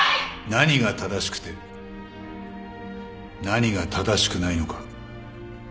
何が正しくて何が正しくないのか。